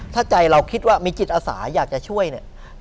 ถ้าใจเราคิดว่ามีจิตอาสาอยากจะช่วยเนี่ย